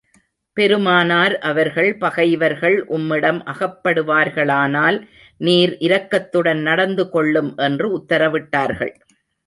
பெருமானார் அவர்கள், பகைவர்கள் உம்மிடம் அகப்படுவார்களானால், நீர் இரக்கத்துடன் நடந்து கொள்ளும் என்று உத்தரவிட்டார்கள்.